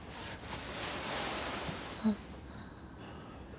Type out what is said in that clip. あっ。